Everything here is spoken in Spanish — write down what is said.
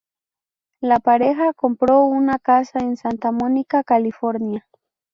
La pareja compró una casa en Santa Mónica, California.